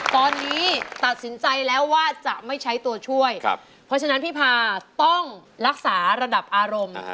ตอนนี้ตัดสินใจแล้วว่าจะไม่ใช้ตัวช่วยเพราะฉะนั้นพี่พาต้องรักษาระดับอารมณ์